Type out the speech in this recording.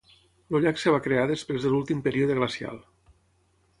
El llac es va crear després de l'últim període glacial.